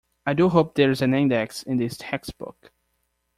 I do hope there's an index in this textbook.